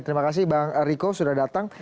terima kasih bang riko sudah datang